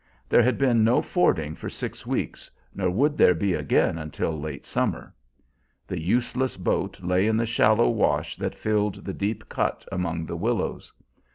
There had been no fording for six weeks, nor would there be again until late summer. The useless boat lay in the shallow wash that filled the deep cut among the willows.